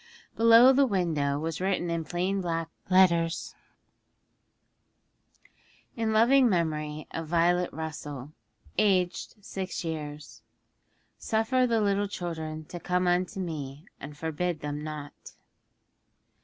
Below the window was written in plain black letters, IN LOVING MEMORY OF VIOLET RUSSELL. Aged six years. '_Suffer the little children to come unto Me, and forbid them not.